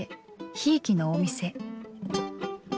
ひいきのお店。